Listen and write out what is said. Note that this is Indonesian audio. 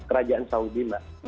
kerajaan saudi mbak